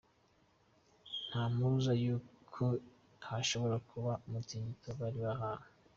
Nta mpuruza yuko hashobora kuba umutingito bari bahawe.